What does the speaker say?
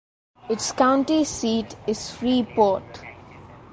Its county seat is Freeport.